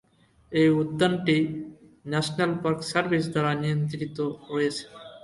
এই উদ্যানটি national park service দ্বারা নিয়ন্ত্রিত রয়েছে।